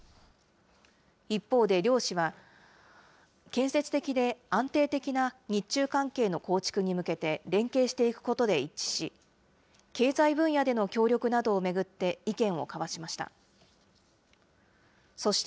一方で両氏は、建設的で安定的な日中関係の構築に向けて連携していくことで一致し、経済分野での協力などを巡って意見を交わしました。